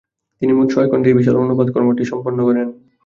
তিনি মোট ছয় খণ্ডে এই বিশাল অনুবাদ কর্মটি সম্পন্ন করেন।